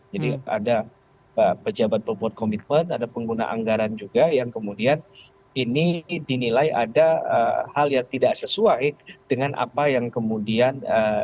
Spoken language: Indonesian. jadi ada pejabat pembuat komitmen ada pengguna anggaran juga yang kemudian ini dinilai ada hal yang tidak sesuai dengan apa yang kemudian